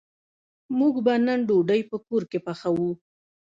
موږ به نن ډوډۍ په کور کی پخوو